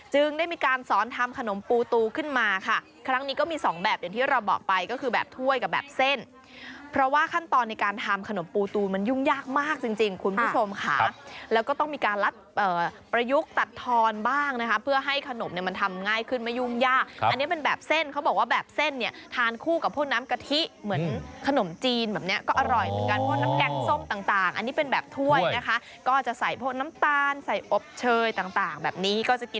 จึงได้มีการสอนทำขนมปูตูขึ้นมาค่ะครั้งนี้ก็มีสองแบบอย่างที่เราบอกไปก็คือแบบถ้วยกับแบบเส้นเพราะว่าขั้นตอนในการทำขนมปูตูมันยุ่งยากมากจริงคุณผู้ชมค่ะแล้วก็ต้องมีการลัดประยุกตัดทอนบ้างนะคะเพื่อให้ขนมมันทำง่ายขึ้นไม่ยุ่งยากอันนี้เป็นแบบเส้นเขาบอกว่าแบบเส้นเนี่ยทานคู่กับพวกน้ำกะทิ